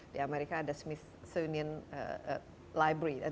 di amerika ada smithsonian library